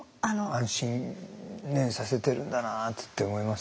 安心ねえさせてるんだなって思います。